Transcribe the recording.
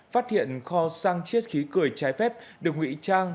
phát hiện kho xăng chiết khí cười trái phép được nguyễn trang